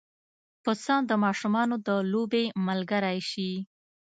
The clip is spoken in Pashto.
پسه د ماشومانو د لوبې ملګری شي.